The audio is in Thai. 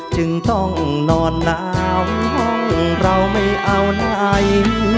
จึงต้องนอนหนาวห้องเราไม่เอาไหน